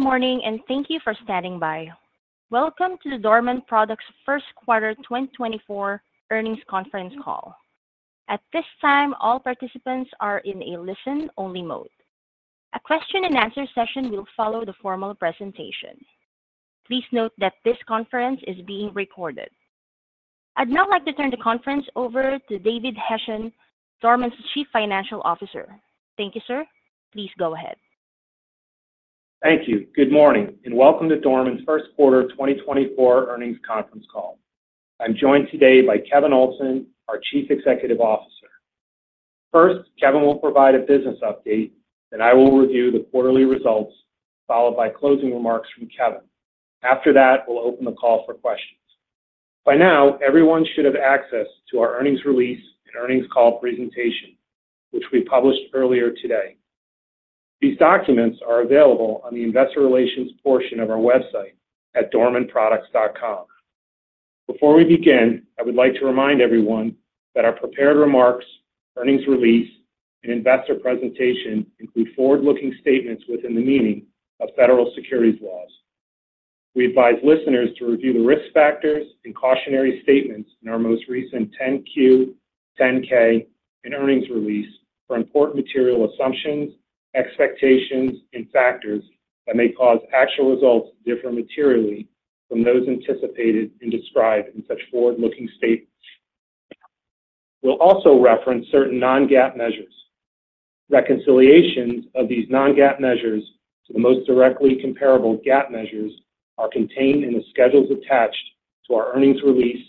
Good morning, and thank you for standing by. Welcome to the Dorman Products First Quarter 2024 Earnings Conference Call. At this time, all participants are in a listen-only mode. A question and answer session will follow the formal presentation. Please note that this conference is being recorded. I'd now like to turn the conference over to David Hession, Dorman's Chief Financial Officer. Thank you, sir. Please go ahead. Thank you. Good morning, and welcome to Dorman's First Quarter 2024 Earnings Conference Call. I'm joined today by Kevin Olsen, our Chief Executive Officer. First, Kevin will provide a business update, then I will review the quarterly results, followed by closing remarks from Kevin. After that, we'll open the call for questions. By now, everyone should have access to our earnings release and earnings call presentation, which we published earlier today. These documents are available on the investor relations portion of our website at dormanproducts.com. Before we begin, I would like to remind everyone that our prepared remarks, earnings release, and investor presentation include forward-looking statements within the meaning of federal securities laws. We advise listeners to review the risk factors and cautionary statements in our most recent 10-Q, 10-K, and earnings release for important material assumptions, expectations, and factors that may cause actual results to differ materially from those anticipated and described in such forward-looking statements. We'll also reference certain non-GAAP measures. Reconciliations of these non-GAAP measures to the most directly comparable GAAP measures are contained in the schedules attached to our earnings release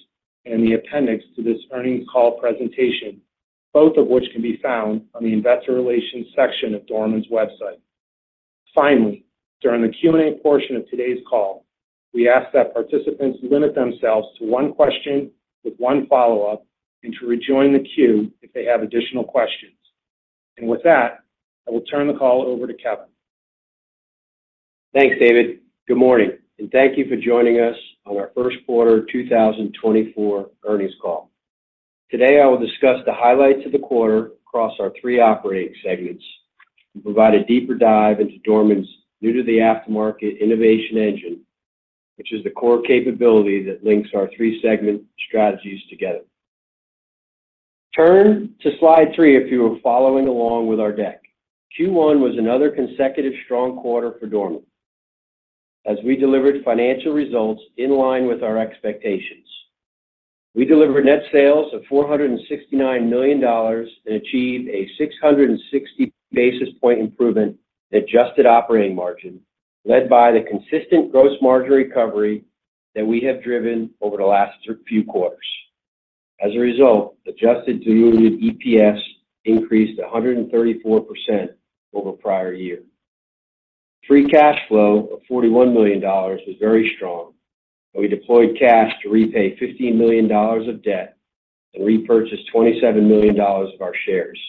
and the appendix to this earnings call presentation, both of which can be found on the investor relations section of Dorman's website. Finally, during the Q&A portion of today's call, we ask that participants limit themselves to one question with one follow-up, and to rejoin the queue if they have additional questions. With that, I will turn the call over to Kevin. Thanks, David. Good morning, and thank you for joining us on our First Quarter 2024 Earnings Call. Today, I will discuss the highlights of the quarter across our three operating segments and provide a deeper dive into Dorman's new to the aftermarket innovation engine, which is the core capability that links our three segment strategies together. Turn to slide three if you are following along with our deck. Q1 was another consecutive strong quarter for Dorman as we delivered financial results in line with our expectations. We delivered net sales of $469 million and achieved a 660 basis point improvement in adjusted operating margin, led by the consistent gross margin recovery that we have driven over the last few quarters. As a result, adjusted diluted EPS increased 134% over prior year. Free cash flow of $41 million was very strong, and we deployed cash to repay $15 million of debt and repurchase $27 million of our shares.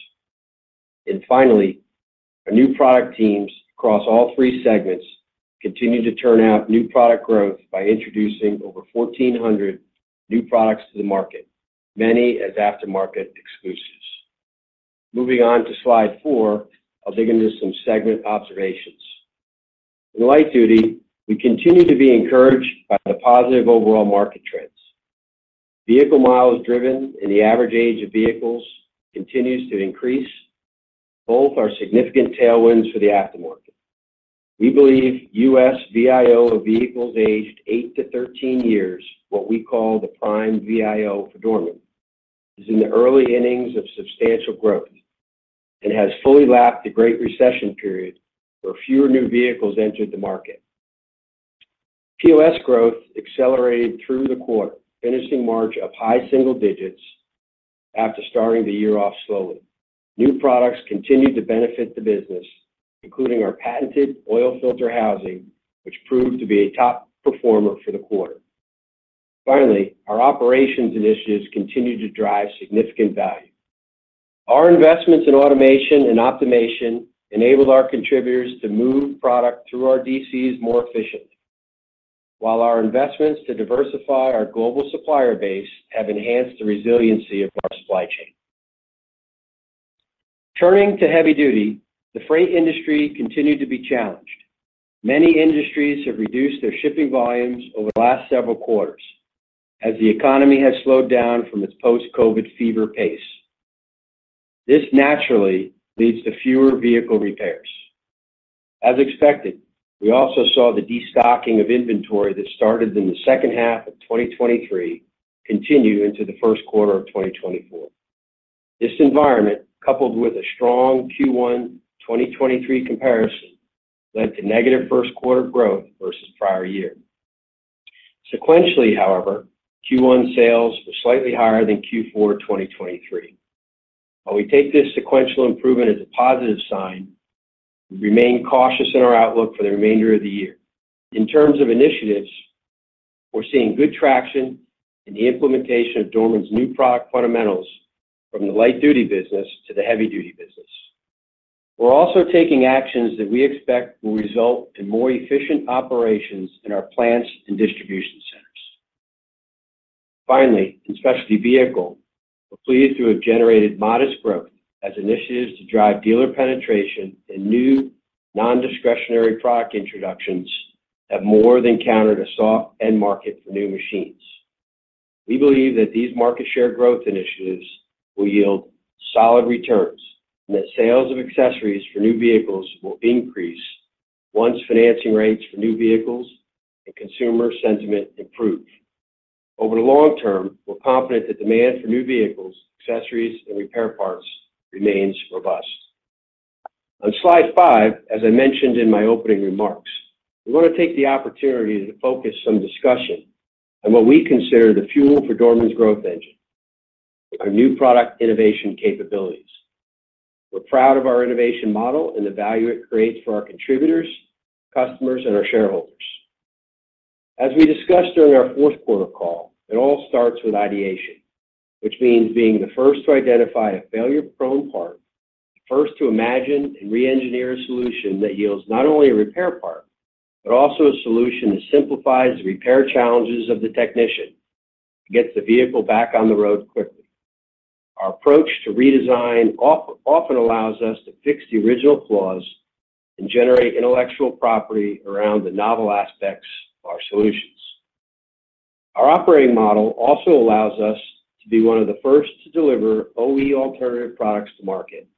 Finally, our new product teams across all three segments continued to turn out new product growth by introducing over 1,400 new products to the market, many as aftermarket exclusives. Moving on to slide four, I'll dig into some segment observations. In light duty, we continue to be encouraged by the positive overall market trends. Vehicle miles driven and the average age of vehicles continues to increase. Both are significant tailwinds for the aftermarket. We believe U.S. VIO of vehicles aged eight to 13 years, what we call the prime VIO for Dorman, is in the early innings of substantial growth and has fully lapped the Great Recession period, where fewer new vehicles entered the market. POS growth accelerated through the quarter, finishing March of high single digits after starting the year off slowly. New products continued to benefit the business, including our patented Oil Filter Housing, which proved to be a top performer for the quarter. Finally, our operations initiatives continued to drive significant value. Our investments in automation and optimization enabled our contributors to move product through our DCs more efficiently, while our investments to diversify our global supplier base have enhanced the resiliency of our supply chain. Turning to heavy duty, the freight industry continued to be challenged. Many industries have reduced their shipping volumes over the last several quarters as the economy has slowed down from its post-COVID fever pace. This naturally leads to fewer vehicle repairs. As expected, we also saw the destocking of inventory that started in the second half of 2023 continue into the first quarter of 2024. This environment, coupled with a strong Q1 2023 comparison, led to negative first quarter growth versus prior year. Sequentially, however, Q1 sales were slightly higher than Q4 2023. While we take this sequential improvement as a positive sign, we remain cautious in our outlook for the remainder of the year. In terms of initiatives, we're seeing good traction in the implementation of Dorman's new product fundamentals from the light duty business to the heavy duty business. We're also taking actions that we expect will result in more efficient operations in our plants and distribution centers. Finally, in Specialty Vehicle, we're pleased to have generated modest growth as initiatives to drive dealer penetration and new non-discretionary product introductions have more than countered a soft end market for new machines. We believe that these market share growth initiatives will yield solid returns, and that sales of accessories for new vehicles will increase once financing rates for new vehicles and consumer sentiment improve. Over the long term, we're confident that demand for new vehicles, accessories, and repair parts remains robust. On slide five, as I mentioned in my opening remarks, we wanna take the opportunity to focus some discussion on what we consider the fuel for Dorman's growth engine, our new product innovation capabilities. We're proud of our innovation model and the value it creates for our contributors, customers, and our shareholders. As we discussed during our fourth quarter call, it all starts with ideation, which means being the first to identify a failure-prone part, the first to imagine and reengineer a solution that yields not only a repair part, but also a solution that simplifies the repair challenges of the technician, and gets the vehicle back on the road quickly. Our approach to redesign often allows us to fix the original flaws and generate intellectual property around the novel aspects of our solutions. Our operating model also allows us to be one of the first to deliver OE alternative products to market.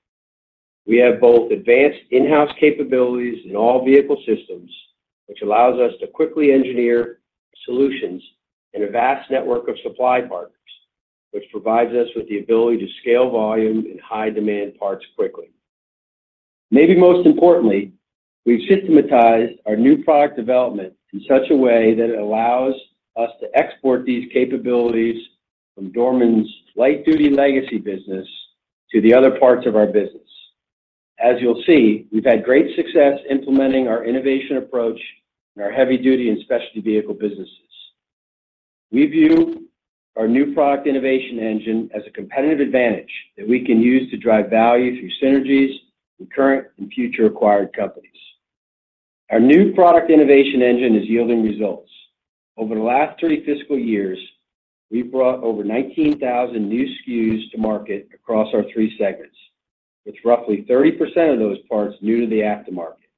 We have both advanced in-house capabilities in all vehicle systems, which allows us to quickly engineer solutions, and a vast network of supply partners, which provides us with the ability to scale volume in high demand parts quickly. Maybe most importantly, we've systematized our new product development in such a way that it allows us to export these capabilities from Dorman's light-duty legacy business to the other parts of our business. As you'll see, we've had great success implementing our innovation approach in our heavy-duty and specialty vehicle businesses. We view our new product innovation engine as a competitive advantage that we can use to drive value through synergies in current and future acquired companies. Our new product innovation engine is yielding results. Over the last three fiscal years, we've brought over 19,000 new SKUs to market across our three segments, with roughly 30% of those parts new to the aftermarket,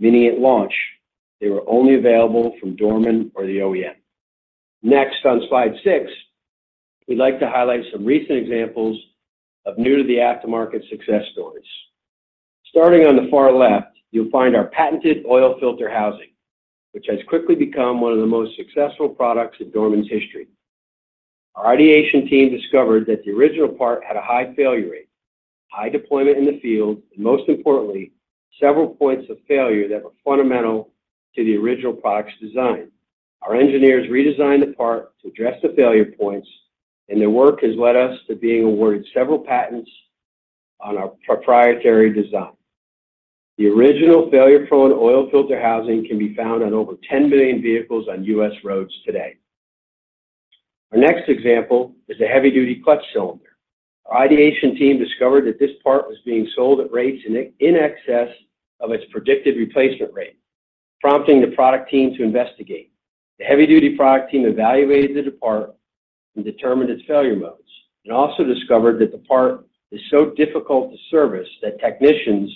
meaning at launch, they were only available from Dorman or the OEM. Next, on slide six, we'd like to highlight some recent examples of new to the aftermarket success stories. Starting on the far left, you'll find our patented Oil Filter Housing, which has quickly become one of the most successful products in Dorman's history. Our ideation team discovered that the original part had a high failure rate, high deployment in the field, and most importantly, several points of failure that were fundamental to the original product's design. Our engineers redesigned the part to address the failure points, and their work has led us to being awarded several patents on our proprietary design. The original failure-prone Oil Filter Housing can be found on over 10 million vehicles on U.S. roads today. Our next example is a Heavy-Duty Clutch Cylinder. Our ideation team discovered that this part was being sold at rates in excess of its predicted replacement rate, prompting the product team to investigate. The heavy-duty product team evaluated the part and determined its failure modes, and also discovered that the part is so difficult to service that technicians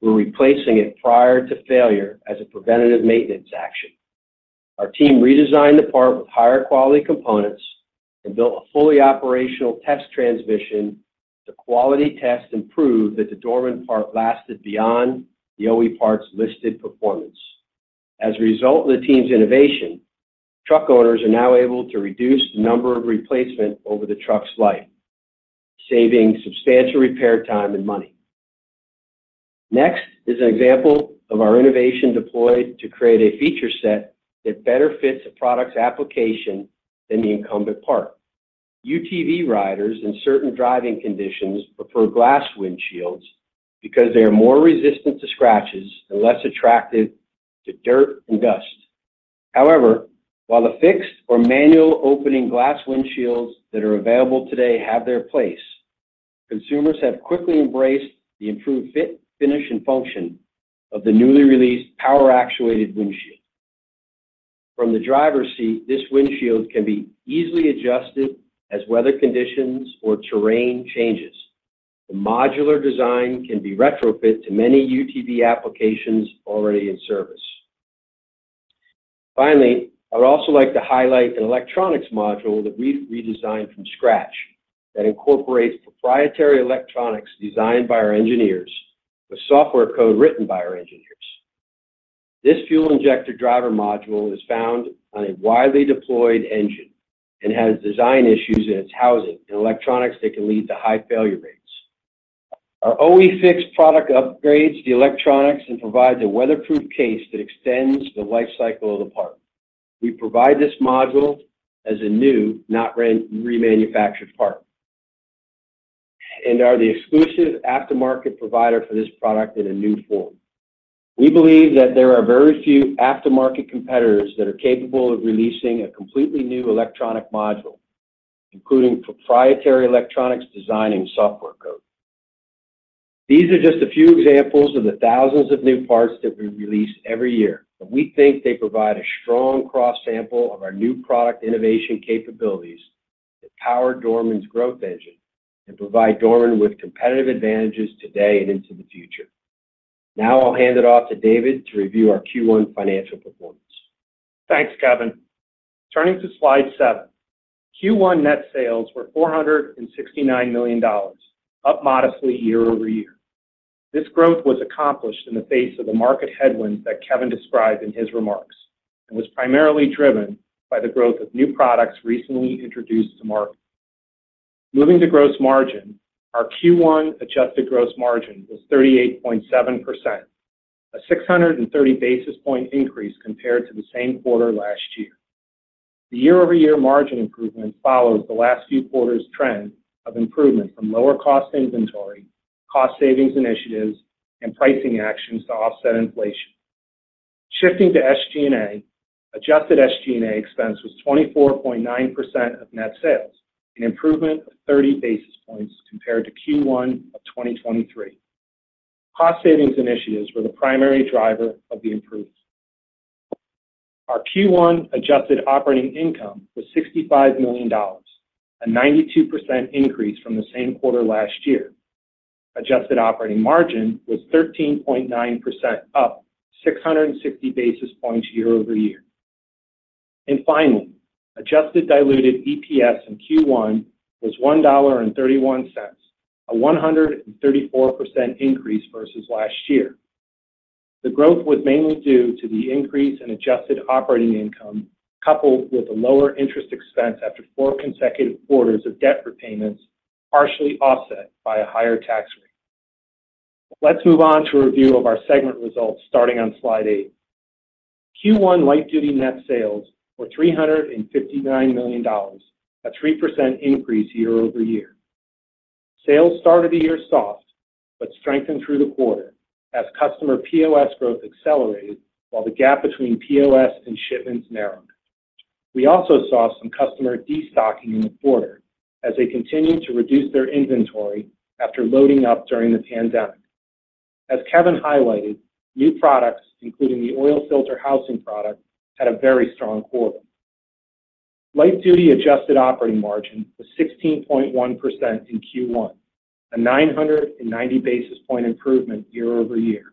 were replacing it prior to failure as a preventative maintenance action. Our team redesigned the part with higher quality components and built a fully operational test transmission. The quality test improved that the Dorman part lasted beyond the OE parts' listed performance. As a result of the team's innovation, truck owners are now able to reduce the number of replacements over the truck's life, saving substantial repair time and money. Next is an example of our innovation deployed to create a feature set that better fits a product's application than the incumbent part. UTV riders in certain driving conditions prefer glass windshields because they are more resistant to scratches and less attractive to dirt and dust. However, while the fixed or manual opening glass windshields that are available today have their place, consumers have quickly embraced the improved fit, finish, and function of the newly released Power-Actuated Windshield. From the driver's seat, this windshield can be easily adjusted as weather conditions or terrain changes. The modular design can be retrofit to many UTV applications already in service. Finally, I would also like to highlight an electronics module that we've redesigned from scratch, that incorporates proprietary electronics designed by our engineers, with software code written by our engineers. This Fuel Injector Driver Module is found on a widely deployed engine and has design issues in its housing and electronics that can lead to high failure rates. Our OE FIX product upgrades the electronics and provides a weatherproof case that extends the life cycle of the part. We provide this module as a new, not remanufactured part, and are the exclusive aftermarket provider for this product in a new form. We believe that there are very few aftermarket competitors that are capable of releasing a completely new electronic module, including proprietary electronics design and software. These are just a few examples of the thousands of new parts that we release every year, but we think they provide a strong cross sample of our new product innovation capabilities that power Dorman's growth engine and provide Dorman with competitive advantages today and into the future. Now I'll hand it off to David to review our Q1 financial performance. Thanks, Kevin. Turning to slide seven. Q1 net sales were $469 million, up modestly year-over-year. This growth was accomplished in the face of the market headwinds that Kevin described in his remarks, and was primarily driven by the growth of new products recently introduced to market. Moving to gross margin, our Q1 adjusted gross margin was 38.7%, a 630 basis point increase compared to the same quarter last year. The year-over-year margin improvement follows the last few quarters trend of improvement from lower cost inventory, cost savings initiatives, and pricing actions to offset inflation. Shifting to SG&A, adjusted SG&A expense was 24.9% of net sales, an improvement of 30 basis points compared to Q1 of 2023. Cost savings initiatives were the primary driver of the improvements. Our Q1 adjusted operating income was $65 million, a 92% increase from the same quarter last year. Adjusted operating margin was 13.9%, up 660 basis points year-over-year. And finally, adjusted diluted EPS in Q1 was $1.31, a 134% increase versus last year. The growth was mainly due to the increase in adjusted operating income, coupled with a lower interest expense after four consecutive quarters of debt repayments, partially offset by a higher tax rate. Let's move on to a review of our segment results, starting on slide eight. Q1 light duty net sales were $359 million, a 3% increase year-over-year. Sales started the year soft, but strengthened through the quarter as customer POS growth accelerated, while the gap between POS and shipments narrowed. We also saw some customer destocking in the quarter as they continued to reduce their inventory after loading up during the pandemic. As Kevin highlighted, new products, including the Oil Filter Housing product, had a very strong quarter. Light Duty adjusted operating margin was 16.1% in Q1, a 990 basis point improvement year-over-year.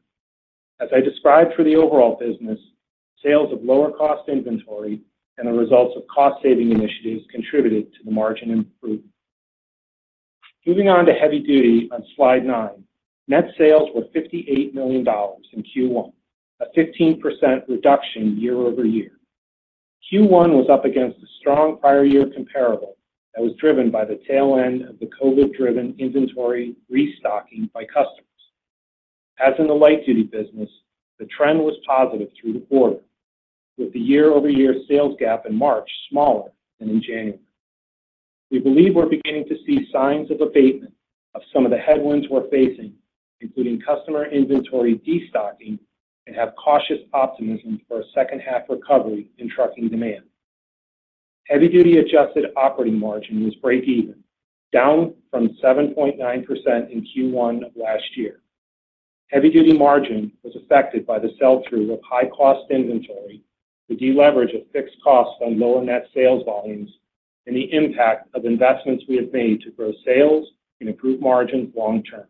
As I described for the overall business, sales of lower cost inventory and the results of cost-saving initiatives contributed to the margin improvement. Moving on to heavy duty on slide nine, net sales were $58 million in Q1, a 15% reduction year-over-year. Q1 was up against a strong prior year comparable that was driven by the tail end of the COVID-driven inventory restocking by customers. As in the Light Duty business, the trend was positive through the quarter, with the year-over-year sales gap in March smaller than in January. We believe we're beginning to see signs of abatement of some of the headwinds we're facing, including customer inventory destocking, and have cautious optimism for a second-half recovery in trucking demand. Heavy Duty adjusted operating margin was break even, down from 7.9% in Q1 of last year. Heavy Duty margin was affected by the sell-through of high-cost inventory, the deleverage of fixed costs on lower net sales volumes, and the impact of investments we have made to grow sales and improve margins long term.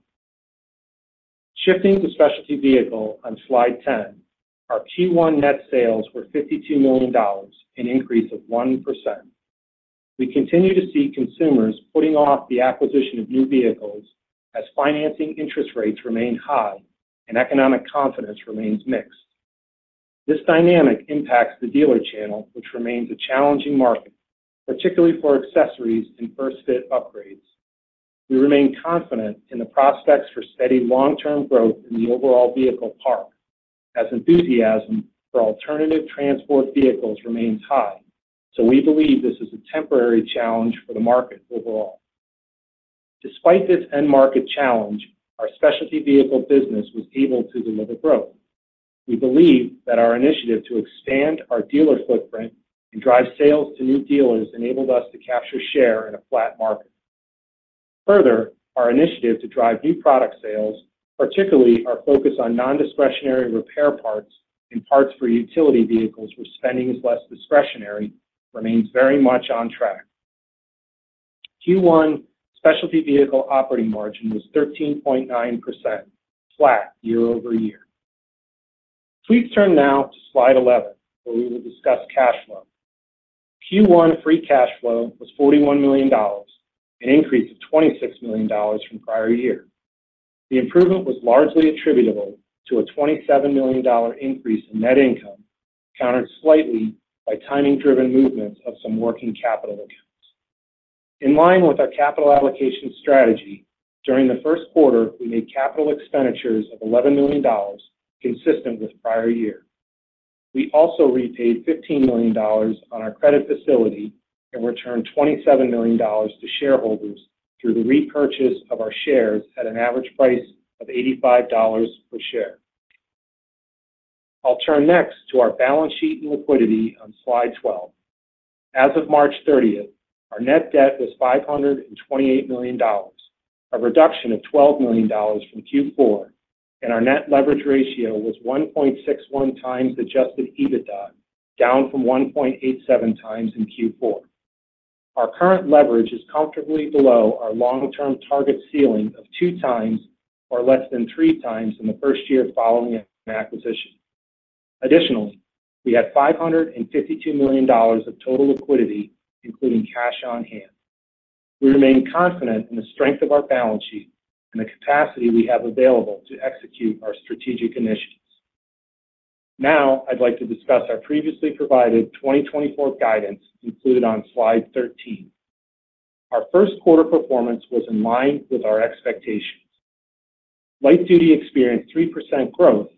Shifting to Specialty Vehicle on slide 10, our Q1 net sales were $52 million, an increase of 1%. We continue to see consumers putting off the acquisition of new vehicles as financing interest rates remain high and economic confidence remains mixed. This dynamic impacts the dealer channel, which remains a challenging market, particularly for accessories and first-fit upgrades. We remain confident in the prospects for steady long-term growth in the overall vehicle park, as enthusiasm for alternative transport vehicles remains high. So we believe this is a temporary challenge for the market overall. Despite this end market challenge, our Specialty Vehicle business was able to deliver growth. We believe that our initiative to expand our dealer footprint and drive sales to new dealers enabled us to capture share in a flat market. Further, our initiative to drive new product sales, particularly our focus on non-discretionary repair parts and parts for utility vehicles, where spending is less discretionary, remains very much on track. Q1 Specialty Vehicle operating margin was 13.9%, flat year-over-year. Please turn now to slide 11, where we will discuss cash flow. Q1 free cash flow was $41 million, an increase of $26 million from prior year. The improvement was largely attributable to a $27 million increase in net income, countered slightly by timing-driven movements of some working capital accounts. In line with our capital allocation strategy, during the first quarter, we made capital expenditures of $11 million, consistent with prior year. We also repaid $15 million on our credit facility and returned $27 million to shareholders through the repurchase of our shares at an average price of $85 per share. I'll turn next to our balance sheet and liquidity on slide 12. As of March 30th, our net debt was $528 million, a reduction of $12 million from Q4, and our net leverage ratio was 1.61x adjusted EBITDA, down from 1.87x in Q4. Our current leverage is comfortably below our long-term target ceiling of 2x or less than 3x in the first year following an acquisition. Additionally, we had $552 million of total liquidity, including cash on hand. We remain confident in the strength of our balance sheet and the capacity we have available to execute our strategic initiatives. Now, I'd like to discuss our previously provided 2024 guidance included on slide 13. Our first quarter performance was in line with our expectations. Light Duty experienced 3% growth,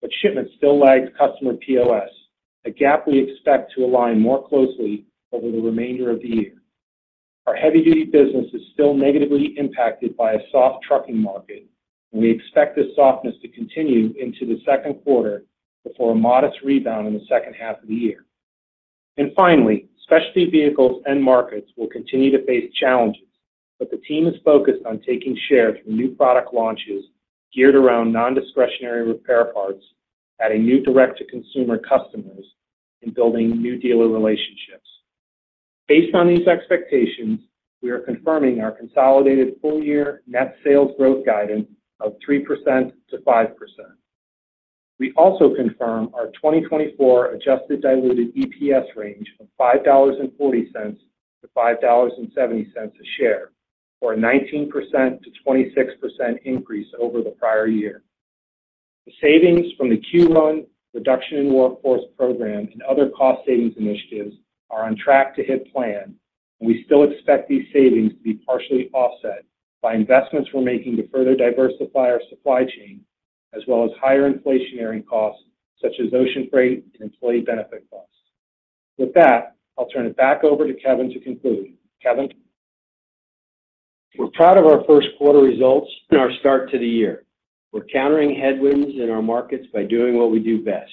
but shipment still lags customer POS, a gap we expect to align more closely over the remainder of the year. Our Heavy Duty business is still negatively impacted by a soft trucking market, and we expect this softness to continue into the second quarter before a modest rebound in the second half of the year. Finally, Specialty Vehicles end markets will continue to face challenges, but the team is focused on taking shares from new product launches geared around non-discretionary repair parts, adding new direct-to-consumer customers, and building new dealer relationships. Based on these expectations, we are confirming our consolidated full-year net sales growth guidance of 3%-5%. We also confirm our 2024 adjusted diluted EPS range of $5.40-$5.70 a share, or a 19%-26% increase over the prior year. The savings from the Q1 reduction in workforce program and other cost savings initiatives are on track to hit plan, and we still expect these savings to be partially offset by investments we're making to further diversify our supply chain, as well as higher inflationary costs, such as ocean freight and employee benefit costs. With that, I'll turn it back over to Kevin to conclude. Kevin? We're proud of our first quarter results and our start to the year. We're countering headwinds in our markets by doing what we do best,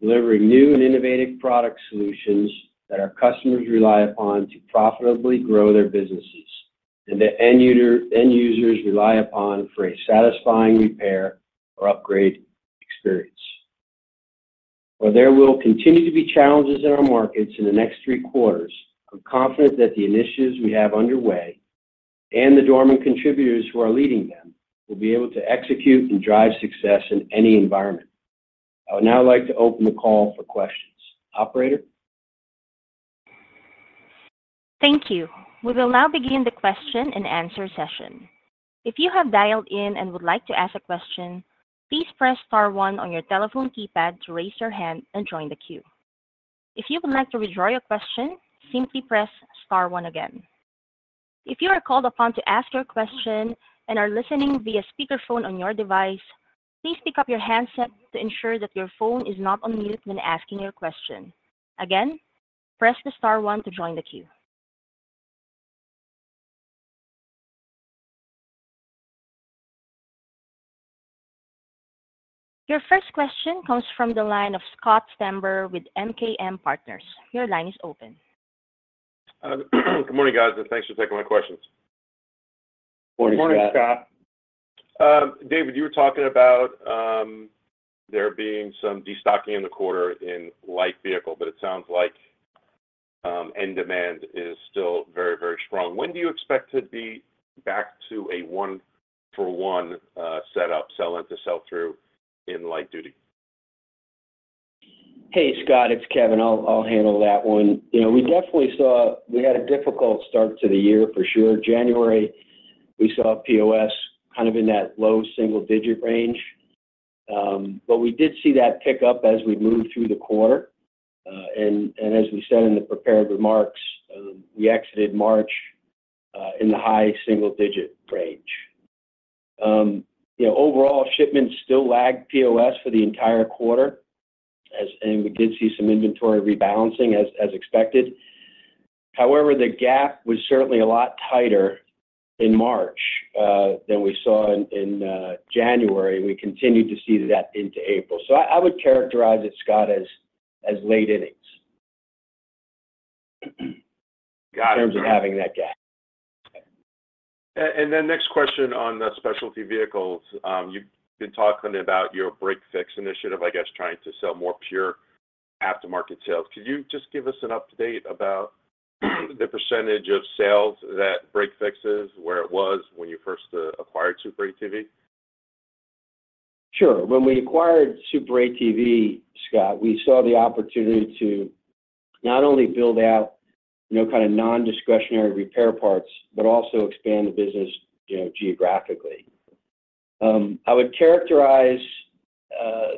delivering new and innovative product solutions that our customers rely upon to profitably grow their businesses, and the end users rely upon for a satisfying repair or upgrade experience. While there will continue to be challenges in our markets in the next three quarters, I'm confident that the initiatives we have underway and the Dorman contributors who are leading them will be able to execute and drive success in any environment. I would now like to open the call for questions. Operator? Thank you. We will now begin the question and answer session. If you have dialed in and would like to ask a question, please press star one on your telephone keypad to raise your hand and join the queue. If you would like to withdraw your question, simply press star one again. If you are called upon to ask your question and are listening via speakerphone on your device, please pick up your handset to ensure that your phone is not on mute when asking your question. Again, press the star one to join the queue. Your first question comes from the line of Scott Stember with MKM Partners. Your line is open. Good morning, guys, and thanks for taking my questions. Good morning, Scott. Good morning, Scott. David, you were talking about there being some destocking in the quarter in light vehicle, but it sounds like end demand is still very, very strong. When do you expect to be back to a one-for-one setup, sell into sell-through in light duty? Hey, Scott, it's Kevin. I'll handle that one. You know, we definitely saw we had a difficult start to the year for sure. January, we saw POS kind of in that low double-digit range. But we did see that pick up as we moved through the quarter. And as we said in the prepared remarks, we exited March in the high single-digit range. You know, overall, shipments still lagged POS for the entire quarter, and we did see some inventory rebalancing as expected. However, the gap was certainly a lot tighter in March than we saw in January. We continued to see that into April. So I would characterize it, Scott, as late innings. Got it. In terms of having that gap. Then next question on the Specialty Vehicles. You've been talking about your break-fix initiative, I guess, trying to sell more pure aftermarket sales. Could you just give us an update about the percentage of sales that break-fix is, where it was when you first acquired Super ATV? Sure. When we acquired Super ATV, Scott, we saw the opportunity to not only build out, you know, kind of non-discretionary repair parts, but also expand the business, you know, geographically. I would characterize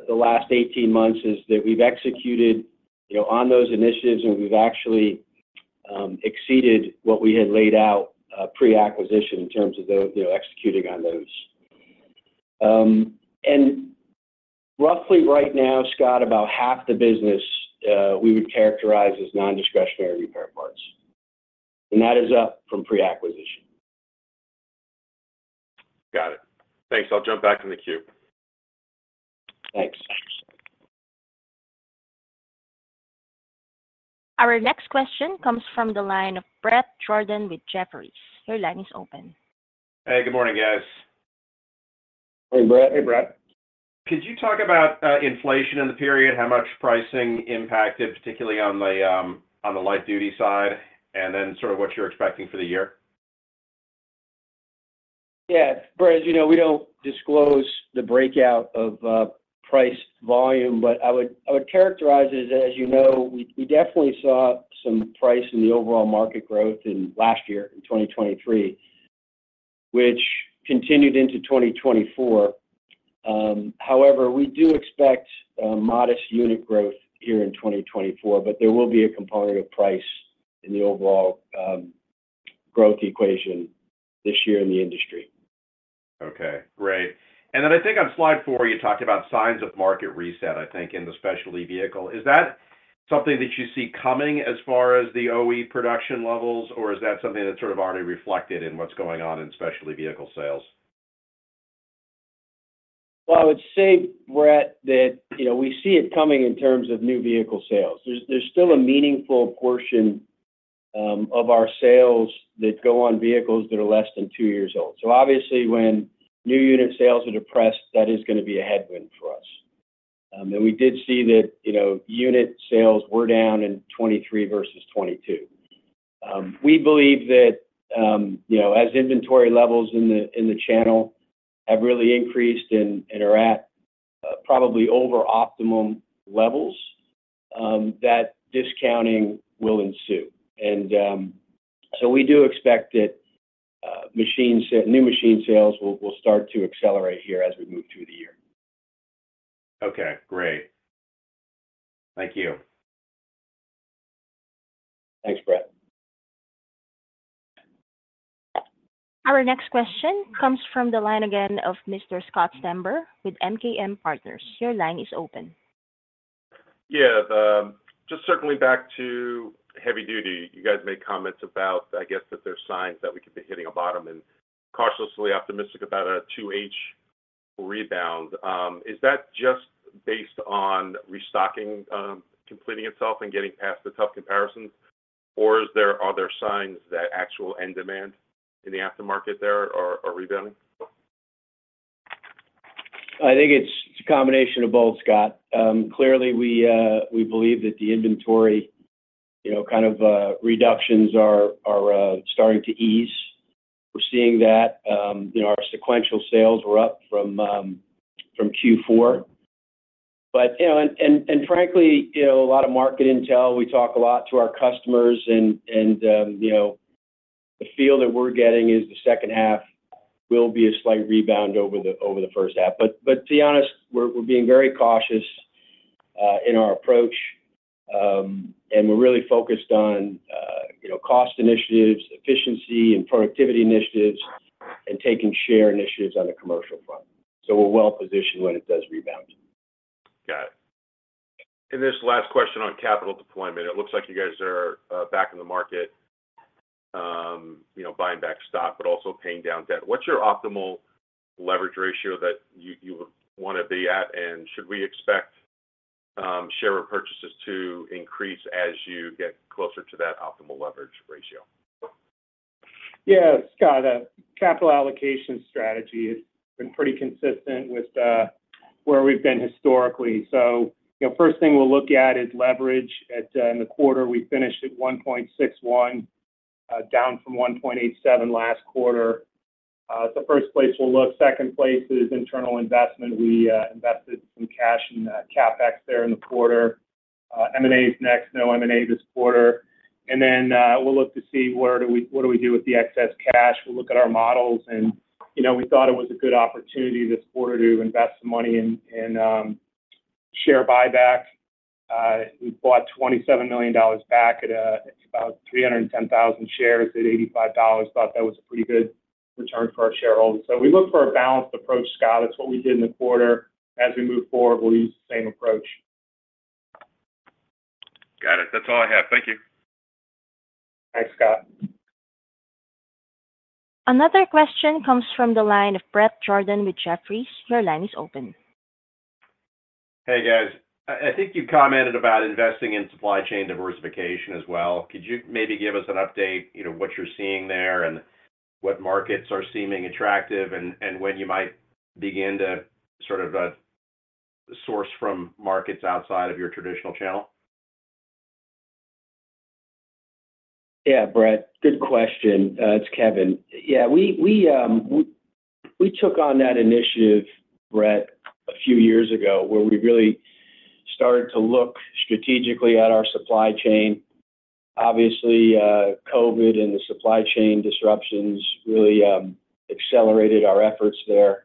the last 18 months as that we've executed, you know, on those initiatives, and we've actually exceeded what we had laid out pre-acquisition in terms of those, you know, executing on those. And roughly right now, Scott, about half the business we would characterize as non-discretionary repair parts, and that is up from pre-acquisition. Got it. Thanks. I'll jump back in the queue. Thanks. Our next question comes from the line of Bret Jordan with Jefferies. Your line is open. Hey, good morning, guys. Hey, Bret. Hey, Bret. Could you talk about inflation in the period? How much pricing impacted, particularly on the light-duty side, and then sort of what you're expecting for the year? Yeah, Bret, as you know, we don't disclose the breakout of price volume, but I would, I would characterize it as, as you know, we, we definitely saw some price in the overall market growth in last year, in 2023, which continued into 2024. However, we do expect a modest unit growth here in 2024, but there will be a component of price in the overall growth equation this year in the industry. Okay, great. Then I think on slide four, you talked about signs of market reset, I think, in the Specialty Vehicle. Is that something that you see coming as far as the OE production levels, or is that something that's sort of already reflected in what's going on in specialty vehicle sales? Well, I would say, Bret, that, you know, we see it coming in terms of new vehicle sales. There's still a meaningful portion of our sales that go on vehicles that are less than two years old. So obviously, when new unit sales are depressed, that is gonna be a headwind for us. And we did see that, you know, unit sales were down in 2023 versus 2022. We believe that, you know, as inventory levels in the channel have really increased and are at probably over optimum levels, that discounting will ensue. And so we do expect that new machine sales will start to accelerate here as we move through the year. Okay, great. Thank you. Thanks, Bret. Our next question comes from the line again of Mr. Scott Stember with MKM Partners. Your line is open. Yeah, just circling back to Heavy Duty. You guys made comments about, I guess, that there's signs that we could be hitting a bottom and cautiously optimistic about a 2H rebound. Is that just based on restocking, completing itself and getting past the tough comparisons? Or is there other signs that actual end demand in the aftermarket there are rebounding? I think it's a combination of both, Scott. Clearly, we believe that the inventory, you know, kind of, reductions are starting to ease. We're seeing that, you know, our sequential sales were up from Q4. But, you know, and frankly, you know, a lot of market intel, we talk a lot to our customers and, you know, the feel that we're getting is the second half will be a slight rebound over the first half. But to be honest, we're being very cautious in our approach. And we're really focused on, you know, cost initiatives, efficiency and productivity initiatives, and taking share initiatives on the commercial front. So we're well-positioned when it does rebound. Got it. And this last question on capital deployment, it looks like you guys are back in the market, you know, buying back stock, but also paying down debt. What's your optimal leverage ratio that you would wanna be at? And should we expect share repurchases to increase as you get closer to that optimal leverage ratio? Yeah, Scott, capital allocation strategy has been pretty consistent with where we've been historically. So, you know, first thing we'll look at is leverage. In the quarter, we finished at 1.61x, down from 1.87x last quarter. It's the first place we'll look. Second place is internal investment. We invested some cash in CapEx there in the quarter. M&A is next, no M&A this quarter. And then, we'll look to see what do we do with the excess cash. We'll look at our models and, you know, we thought it was a good opportunity this quarter to invest some money in share buybacks. We bought $27 million back at about 310,000 shares at $85. Thought that was a pretty good return for our shareholders. So we look for a balanced approach, Scott. It's what we did in the quarter. As we move forward, we'll use the same approach. Got it. That's all I have. Thank you. Thanks, Scott. Another question comes from the line of Bret Jordan with Jefferies. Your line is open. Hey, guys. I think you commented about investing in supply chain diversification as well. Could you maybe give us an update, you know, what you're seeing there and what markets are seeming attractive, and when you might begin to sort of source from markets outside of your traditional channel? Yeah, Bret. Good question. It's Kevin. Yeah, we took on that initiative, Brett, a few years ago, where we really started to look strategically at our supply chain. Obviously, COVID and the supply chain disruptions really accelerated our efforts there.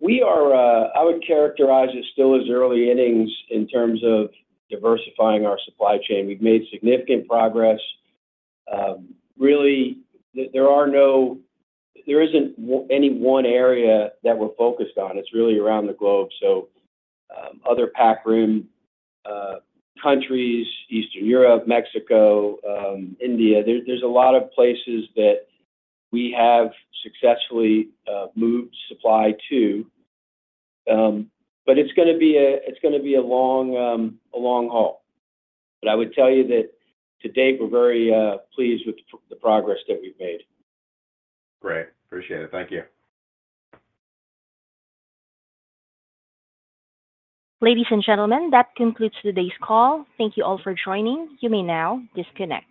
We are, I would characterize it still as early innings in terms of diversifying our supply chain. We've made significant progress. Really, there are no, there isn't any one area that we're focused on. It's really around the globe. So, other Pacific Rim countries, Eastern Europe, Mexico, India, there's a lot of places that we have successfully moved supply to. But it's gonna be a long haul. I would tell you that to date, we're very pleased with the progress that we've made. Great. Appreciate it. Thank you. Ladies and gentlemen, that concludes today's call. Thank you all for joining. You may now disconnect.